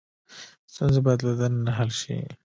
ستونزې باید له دننه حل شي.